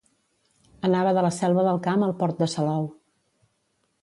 Anava de la Selva del Camp al port de Salou.